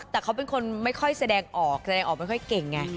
แต่เขาเป็นคนไม่ค่อยแสดงออกแสดงออกไม่ค่อยเก่งไง